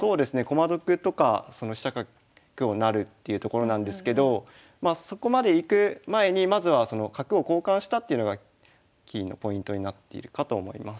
駒得とかその飛車角を成るっていうところなんですけどまあそこまでいく前にまずはその角を交換したっていうのがキーのポイントになっているかと思います。